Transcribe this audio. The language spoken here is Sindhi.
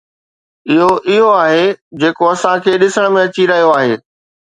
اھو اھو آھي جيڪو اسان کي ڏسڻ ۾ اچي رھيو آھي.